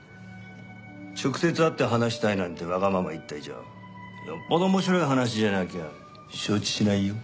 直接会って話したいなんてわがまま言った以上よっぽど面白い話じゃなきゃ承知しないよ。